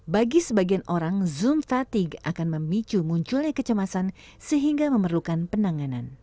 bagi sebagian orang zoom fatigue akan memicu munculnya kecemasan sehingga memerlukan penanganan